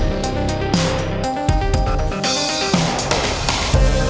แล้วจะได้รับสร้างงานให้คุณสนใจ